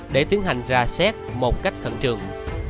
để tiến hành ra xét một cách khẩn trường